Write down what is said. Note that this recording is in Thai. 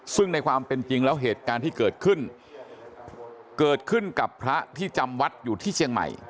ซึ่งในความเป็นจริงแล้วเหตุการณ์ที่เกิดขึ้นเกิดขึ้นกับพระที่จำวัดอยู่ที่เชียงใหม่